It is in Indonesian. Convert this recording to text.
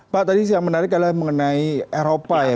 pak tadi yang menarik adalah mengenai eropa ya